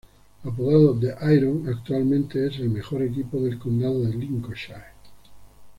Apodado The Iron, actualmente es el mejor equipo del condado de Lincolnshire.